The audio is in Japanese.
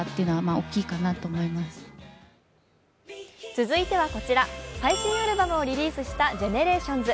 続いては最新アルバムをリリースしたＧＥＮＥＲＡＴＩＯＮＳ。